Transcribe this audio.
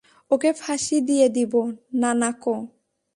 ওকে ফাঁসি দিয়ে দিব, নানাকো?